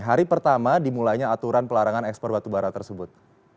hari pertama dimulainya aturan pelarangan ekspor batu bara tersebut